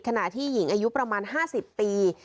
ขณะที่หญิงอายุประมาณ๕๐ปี